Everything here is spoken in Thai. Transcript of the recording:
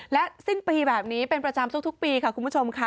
และสิ้นปีแบบนี้เป็นประจำทุกปีค่ะคุณผู้ชมค่ะ